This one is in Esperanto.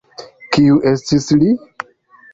Kiu estis li?